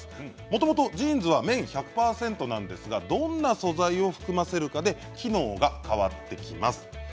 もともとジーンズは綿１００％なんですがどんな素材を含ませるかで機能が変わってきます。